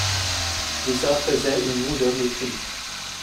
Lisa faisait une moue de mépris.